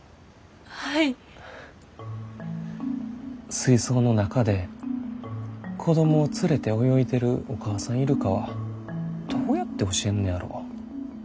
水槽の中で子供を連れて泳いでるお母さんイルカはどうやって教えんねやろ？